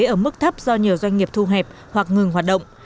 ở mức thấp do nhiều doanh nghiệp thu hẹp hoặc ngừng hoạt động